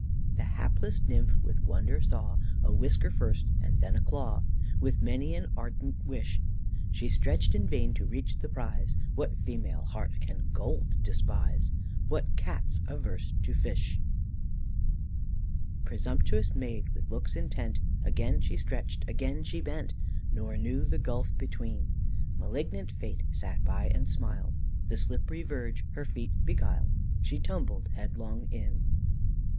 "The hapless nymph, with wonder saw, A whisker first, and then a claw; With many an ardent wish She stretched in vain to reach the prize; What female heart can gold despise? What Cat's averse to fish? "Presumptuous maid, with looks intent, Again she stretched, again she bent, Nor knew the gulf between; (Malignant Fate sat by and smiled) The slippery verge her feet beguiled, She tumbled headlong in.